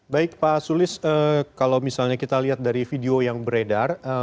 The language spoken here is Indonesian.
baik pak sulis kalau misalnya kita lihat dari video yang beredar